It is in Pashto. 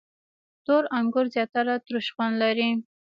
• تور انګور زیاتره تروش خوند لري.